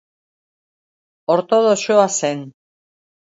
Ortodoxoa zen.